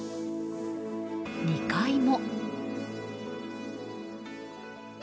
２階も。